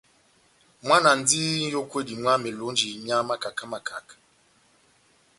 Mwana andi n'yókwedi mwá melonji mia makaka makaka.